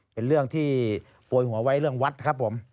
เป็นเรื่องที่โปรยหัวไว้เรื่องวัดครับผม